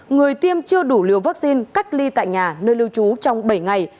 người tiêm chưa đủ liều vaccine cách ly tại nhà nơi lưu trú trong bảy ngày